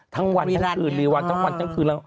ทั้งวันทั้งคืนรีวันทั้งวันทั้งคืนแล้ว